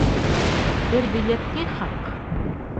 Бер билет ни хаҡ?